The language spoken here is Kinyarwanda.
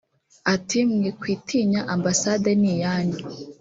Ati “ Mwikwitinya Ambasade ni iyanyu